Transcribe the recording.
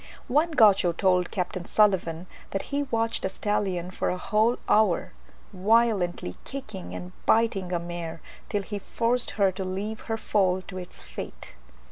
One Gaucho told Capt. Sulivan that he had watched a stallion for a whole hour, violently kicking and biting a mare till he forced her to leave her foal to its fate.